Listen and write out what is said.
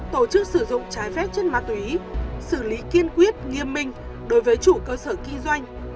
tổ chức sử dụng trái phép chất ma túy xử lý kiên quyết nghiêm minh đối với chủ cơ sở kinh doanh